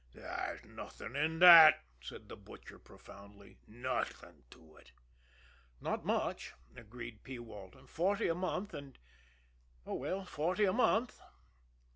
"There's nothin' in that," said the Butcher profoundly. "Nothin' to it!" "Not much," agreed P. Walton. "Forty a month, and oh, well, forty a month."